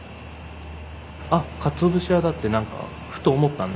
あっかつお節屋だって何かふと思ったんです。